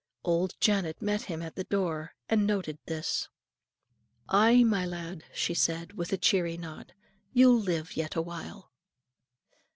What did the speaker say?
Old Janet met him in the door, and noted this. "Ay, my lad," she said, with a cheery nod, "you'll live yet awhile."